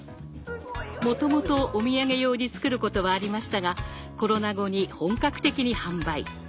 もともとお土産用に作ることはありましたがコロナ後に本格的に販売。